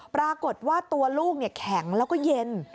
ปรากฏว่าตัวลูกแข็งแล้วก็เย็น